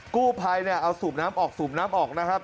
กู้ไพรเอาสูบน้ำออกสูบน้ำออกนะครับ